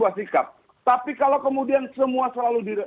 artinya kalau dia membatasi itu